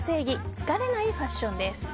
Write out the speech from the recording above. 疲れないファッションです。